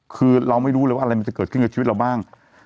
คือเราไม่รู้เลยว่าอะไรมันจะเกิดขึ้นกับชีวิตเราบ้าง